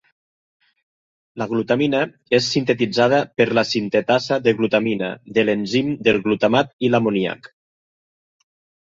La glutamina és sintetitzada per la sintetasa de glutamina de l'enzim del glutamat i l'amoníac.